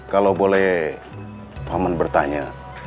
kalau boleh paman bertanya